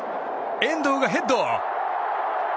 遠藤がヘッド！